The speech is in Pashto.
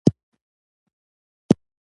جاپاني وسایل تېل لږ مصرفوي.